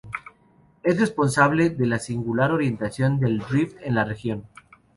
Es responsable de la singular orientación del rift en la región.